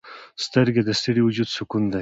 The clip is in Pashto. سترګې د ستړي وجود سکون دي